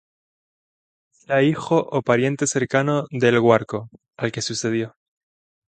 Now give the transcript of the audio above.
Era hijo o pariente cercano de El Guarco, al que sucedió.